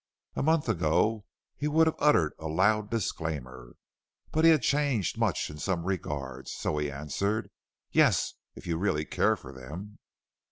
A month ago he would have uttered a loud disclaimer, but he had changed much in some regards, so he answered: "Yes, if you really care for them."